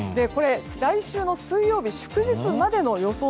来週の水曜日祝日までの予想